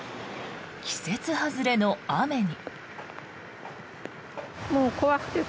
季節外れの雨に。